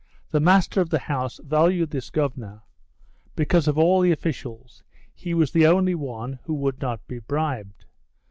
The master of the house valued this governor because of all the officials he was the only one who would not be bribed.